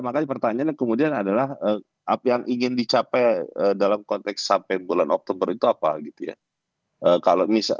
makanya pertanyaannya kemudian adalah apa yang ingin dicapai dalam konteks sampai bulan oktober itu apa gitu ya